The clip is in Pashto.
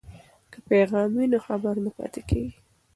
که پیغام وي نو خبر نه پاتې کیږي.